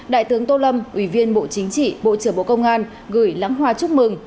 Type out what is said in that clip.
đại tướng tô lâm ủy viên bộ chính trị bộ trưởng bộ công an gửi lãng hoa chúc mừng